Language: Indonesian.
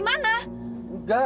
kamu kenal dimana